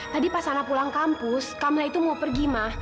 tadi pas ana pulang kampus kamila itu mau pergi ma